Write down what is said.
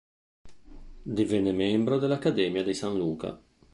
Divenne membro dell'Accademia di San Luca.